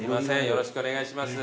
よろしくお願いします。